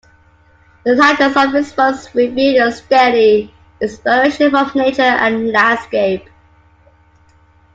The titles of his works reveal a steady inspiration from nature and landscape.